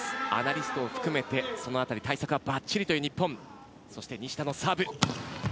アナリストを含めて対策ばっちりという日本。